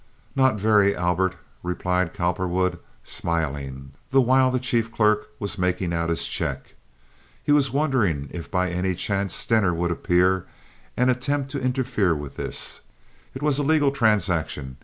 "Not very, Albert," replied Cowperwood, smiling, the while the chief clerk was making out his check. He was wondering if by any chance Stener would appear and attempt to interfere with this. It was a legal transaction.